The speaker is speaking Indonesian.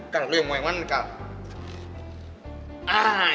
kalau lo yang mau yang mana nih kak